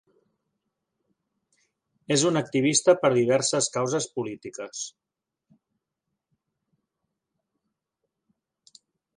És un activista per diverses causes polítiques.